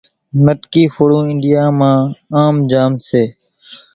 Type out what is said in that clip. مٽڪي ڦوڙوون انڍيا مان آم جام سي